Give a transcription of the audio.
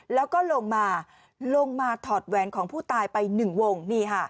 แล้วก็ลงมาถอดแวนของผู้ตายไปหนึ่งวง